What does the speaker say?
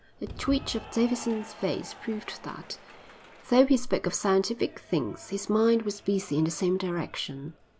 The twitch of Davidson's face proved that, though he spoke of scientific things, his mind was busy in the same direction.